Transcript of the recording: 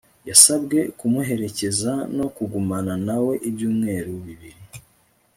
yasabwe kumuherekeza no kugumana na we ibyumweru bibiri